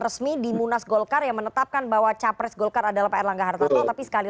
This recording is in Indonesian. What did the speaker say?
resmi di munas golkar yang menetapkan bahwa capres golkar adalah pak erlangga hartarto tapi sekali